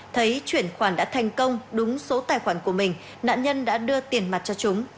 thấy chuyển khoản đã thành công đúng số tài khoản của mình nạn nhân đã đưa tiền mặt cho chúng